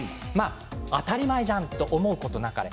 当たり前じゃんと思うことなかれ。